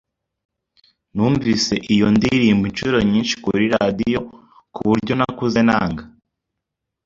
Numvise iyo ndirimbo inshuro nyinshi kuri radio kuburyo nakuze nanga.